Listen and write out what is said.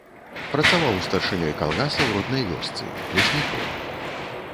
Працаваў старшынёй калгаса ў роднай вёсцы, лесніком.